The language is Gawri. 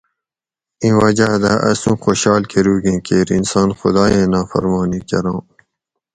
اِیں وجاۤدہ اسُوں خوشحال کروگیں کیر انسان خدایٔیں نافرمانی کراۤں